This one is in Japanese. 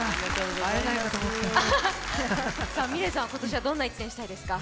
ｍｉｌｅｔさんは今年どんな１年にしたいですか？